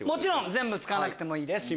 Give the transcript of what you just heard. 全部使わなくてもいいです。